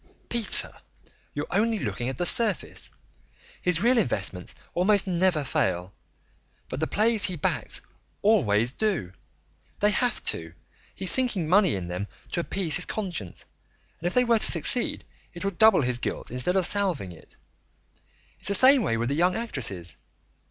"Peter, you're only looking at the surface. His real investments almost never fail. But the plays he backs always do. They have to; he's sinking money in them to appease his conscience, and if they were to succeed it would double his guilt instead of salving it. It's the same way with the young actresses.